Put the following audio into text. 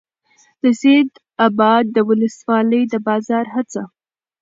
د سیدآباد د ولسوالۍ د بازار څخه